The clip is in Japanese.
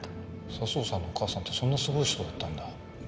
佐相さんのお母さんってそんなすごい人だったんだ。